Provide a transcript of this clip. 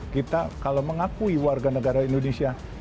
kita kalau mengakui warga negara indonesia